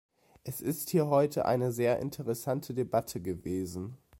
Es ist hier heute eine sehr interessante Debatte gewesen.